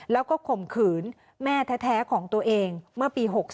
แล้วก็ข่มขืนแม่แท้ของตัวเองเมื่อปี๖๓